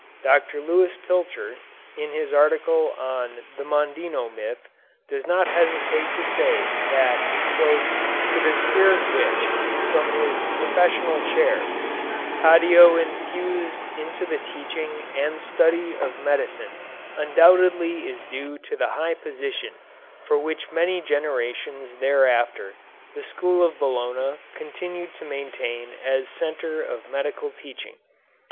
Dr. Lewis Pilcher, in his article on "The Mondino Myth," does not hesitate to say that "to the spirit which, from his professorial chair, Taddeo infused into the teaching and study of medicine undoubtedly is due the high position which for many generations thereafter the school of Bologna continued to maintain as a centre of medical teaching."